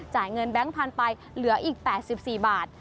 จ่ายเงินแบงค์พันธุ์ไปเหลืออีก๘๔บาท